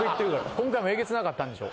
今回もえげつなかったんでしょ。